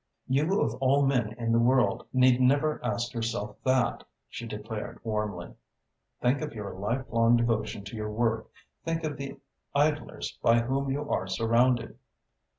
"You of all men in the world need never ask yourself that," she declared warmly. "Think of your lifelong devotion to your work. Think of the idlers by whom you are surrounded."